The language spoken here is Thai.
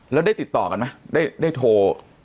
แล้วได้ติดต่อกันไหมได้โทร